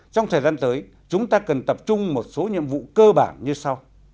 trong thời gian tới chúng ta cần tập trung một số nhiệm vụ cơ bản như sau